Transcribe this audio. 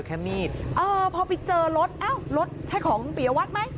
เจอแค่มีสเอ่อพอไปเจอรถเอ้ารถใช่ของปิยวัตรไม่